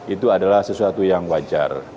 itu adalah sesuatu yang wajar